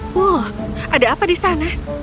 wow apa yang ada di sana